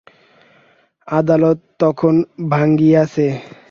আদালত তখন ভাঙিয়াছে।